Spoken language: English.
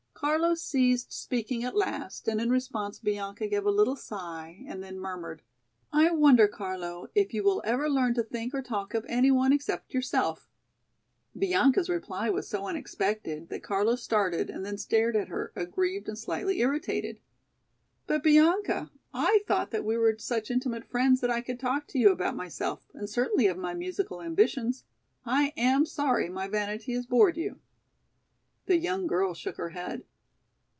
'" Carlo ceased speaking at last and in response Bianca gave a little sigh and then murmured. "I wonder, Carlo, if you will ever learn to think or talk of any one except yourself?" Bianca's reply was so unexpected that Carlo started and then stared at her, aggrieved and slightly irritated. "But, Bianca, I thought that we were such intimate friends that I could talk to you about myself, and certainly of my musical ambitions. I am sorry my vanity has bored you." The young girl shook her head.